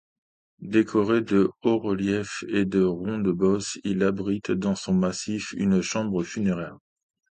Décoré de hauts-reliefs et de rondes-bosses, il abrite dans son massif une chambre funéraire.